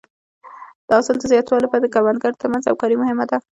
د حاصل د زیاتوالي لپاره د کروندګرو تر منځ همکاري مهمه ده.